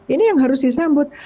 ini yang harus disambut